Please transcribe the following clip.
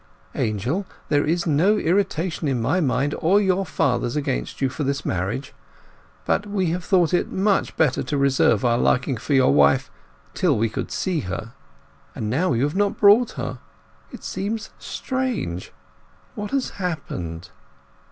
Angel, there is no irritation in my mind or your father's against you for this marriage; but we have thought it much better to reserve our liking for your wife till we could see her. And now you have not brought her. It seems strange. What has happened?"